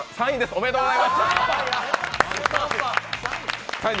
おめでとうございます。